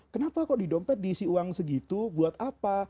kenapa kok di dompet diisi uang segitu buat apa